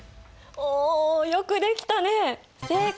およくできたね正解！